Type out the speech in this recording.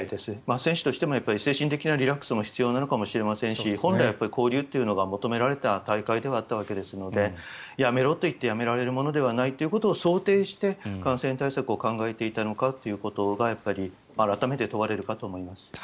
選手としても精神的なリラックスも必要なのかもしれませんし本来は交流というのが求められた大会ではあったわけですのでやめろと言ってやめられないということを想定して、感染対策を考えていたのかということがやっぱり改めて問われるかと思います。